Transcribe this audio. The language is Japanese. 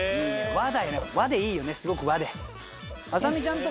和だよね和でいいよねすごく和で。